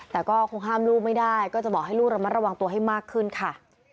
แต่ก็คงห้ามลูกไม่ได้ก็จะบอกให้ลูกระมัดระวังตัวให้มากขึ้นค่ะ